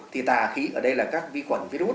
thì tà khí ở đây là các vi khuẩn virus